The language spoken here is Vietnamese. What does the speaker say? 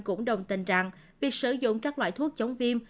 cũng đồng tình rằng việc sử dụng các loại thuốc chống viêm